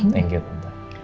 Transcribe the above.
thank you tante